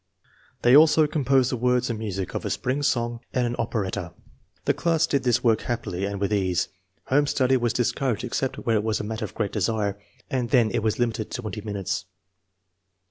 They also composed the words and music of a spring song and an operetta. The class did this work happily and with ease. Home study was dis couraged, except where it was a matter of great desire, and then it was limited to twenty minutes.